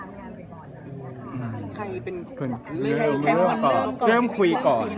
อย่างมีใครเป็นคนเริ่มคุยก่อน